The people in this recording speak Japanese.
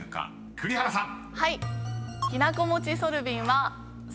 ［栗原さん